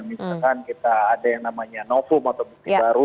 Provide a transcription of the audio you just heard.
misalkan kita ada yang namanya novum atau bukti baru